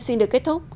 xin được kết thúc